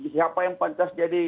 siapa yang pancas jadi